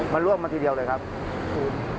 มันล่วงมาทีเดียวเลยครับ